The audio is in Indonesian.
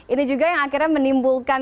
ini juga yang akhirnya menimbulkan